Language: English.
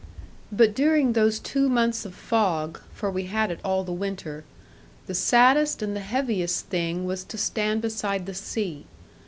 But during those two months of fog (for we had it all the winter), the saddest and the heaviest thing was to stand beside the sea.